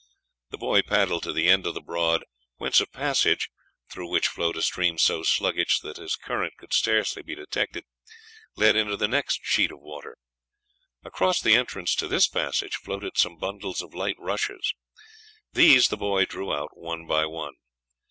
The boy paddled to the end of the broad, whence a passage, through which flowed a stream so sluggish that its current could scarce be detected, led into the next sheet of water. Across the entrance to this passage floated some bundles of light rushes. These the boy drew out one by one.